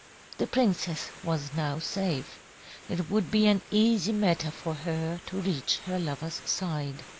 "The princess was now safe. It would be an easy matter for her to reach her lover's side.